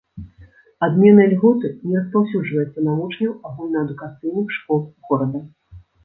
Адмена ільготы не распаўсюджваецца на вучняў агульнаадукацыйных школ горада.